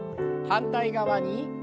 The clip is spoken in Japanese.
反対側に。